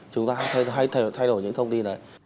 chúng ta hãy thay đổi những thông tin đấy